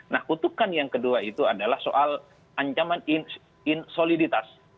nah kutukan yang kedua itu adalah soal ancaman insoliditas